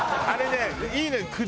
あれねいいのよ。